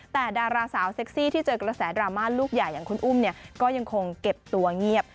แต่ดาราสาวเซ็กซี่ที่เจอกระแสดราม่าลูกใหญ่อย่างคุณอุ้มเนี่ยก็ยังคงเก็บตัวเงียบ